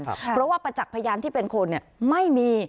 เพราะว่าประจักษ์พยานที่เป็นคนไม่มี